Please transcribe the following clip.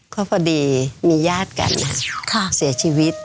ก็พอดีมีญาติกันเสียชีวิต